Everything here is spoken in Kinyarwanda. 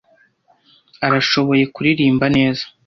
Arashoboye kuririmba neza.